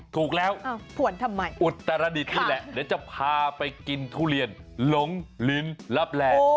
ถูกแล้วอุตรดิษฐ์นี่แหละแล้วจะพาไปกินทุเรียนหลงลิ้นลับแหลก